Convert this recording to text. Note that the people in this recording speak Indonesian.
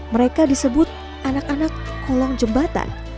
mereka disebut anak anak kolong jembatan